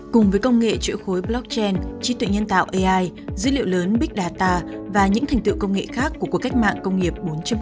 cùng với công nghệ chuỗi khối blockchain trí tuệ nhân tạo ai dữ liệu lớn big data và những thành tựu công nghệ khác của cuộc cách mạng công nghiệp bốn